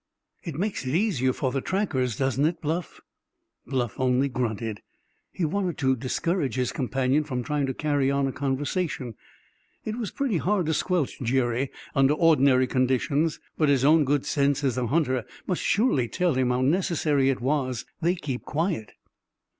"It makes it easier for the trackers, doesn't it, Bluff?" Bluff only grunted. He wanted to discourage his companion from trying to carry on a conversation. It was pretty hard to squelch Jerry under ordinary conditions, but his own good sense as a hunter must surely tell him how necessary it was they keep quiet.